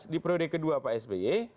di proyek kedua psb